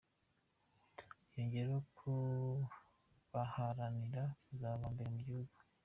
Yongeraho ko baharanira kuzaba aba mbere mu gihugu.